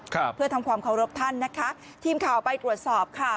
ครับเพื่อทำความเคารพท่านนะคะทีมข่าวไปตรวจสอบค่ะ